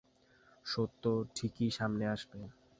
সত্য ঠিকই সামনে আসবে।